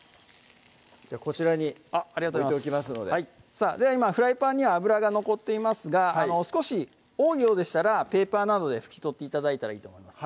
こちらに置いておきますのではいでは今フライパンには油が残っていますが少し多いようでしたらペーパーなどで拭き取って頂いたらいいと思います